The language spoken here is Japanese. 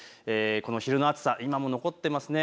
昼の暑さ、今も残っていますね。